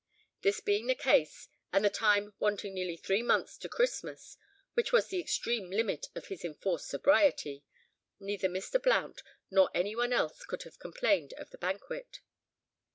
This being the case, and the time wanting nearly three months to Christmas, which was the extreme limit of his enforced sobriety, neither Mr. Blount nor any one else could have complained of the banquet.